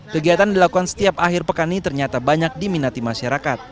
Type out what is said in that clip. kegiatan dilakukan setiap akhir pekan ini ternyata banyak diminati masyarakat